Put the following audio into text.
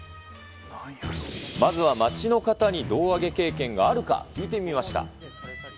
まずは街の方に胴上げ経験があるか聞いてみました。